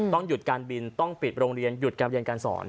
ต้องหยุดการบินต้องปิดโรงเรียนหยุดการเรียนการสอน